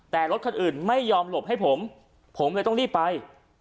แต่รถคันอื่นไม่ยอมหลบให้ผมผมเลยต้องรีบไป